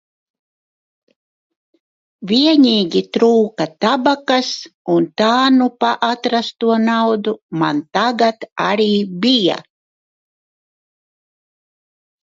Vienīgi trūka tabakas un tā nu pa atrasto naudu man tagad arī bija.